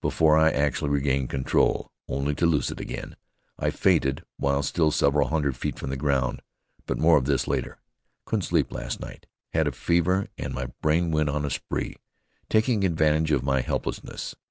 before I actually regained control, only to lose it again. I fainted while still several hundred feet from the ground; but more of this later. Couldn't sleep last night. Had a fever and my brain went on a spree, taking advantage of my helplessness.